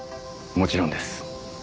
もちろんです。